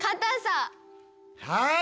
はい！